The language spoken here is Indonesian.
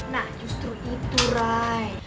nah justru itu ray